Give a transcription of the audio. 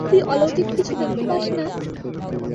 তুই অলৌকিক কিছু দেখতে পাস না!